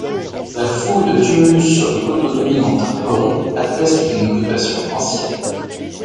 La fouille de tumulus sur les côteaux dominant Tarperon atteste d'une occupation ancienne.